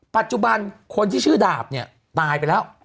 ปัจจุบันคนที่ชื่อดาบเนี่ยตายไปแล้ว